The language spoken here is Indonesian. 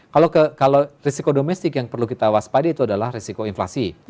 kalau risiko domestik yang perlu kita waspada itu adalah risiko inflasi